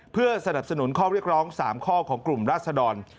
เพื่อสนับสนุนข้อเรียกร้อง๓ข้อของกลุ่มราศดร